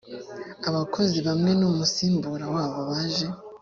abakozi bamwe n umusimbura wabo baje